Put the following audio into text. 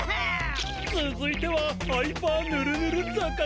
つづいてはハイパーぬるぬる坂だ。